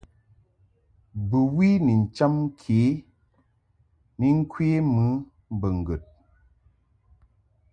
Bɨwi ni ncham ke ni ŋkwe mɨ mbo ŋgəd.